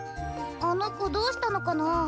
あのこどうしたのかな？